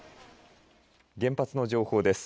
原発の情報です。